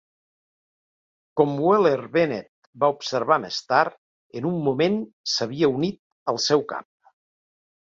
Com Wheeler-Bennet va observar més tard, "...en un moment s'havia unit al seu Cap".